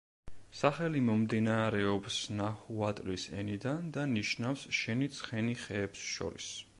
სახელი მომდინარეობს ნაჰუატლის ენიდან და ნიშნავს „შენი ცხენი ხეებს შორის“.